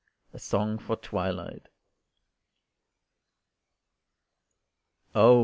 A SONG FOR TWILIGHT. Oh!